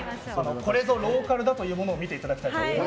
これぞローカルだというものを見ていただきたい。